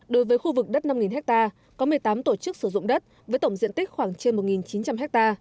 đối với khu vực đất năm ha có một mươi tám tổ chức sử dụng đất với tổng diện tích khoảng trên một chín trăm linh ha